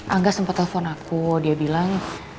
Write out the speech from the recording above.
angga sempat telepon aku dia bilang